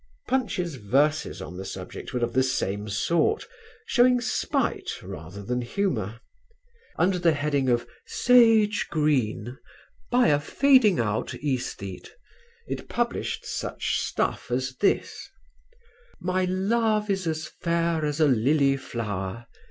Punch's verses on the subject were of the same sort, showing spite rather than humour. Under the heading of "Sage Green" (by a fading out Æsthete) it published such stuff as this: My love is as fair as a lily flower.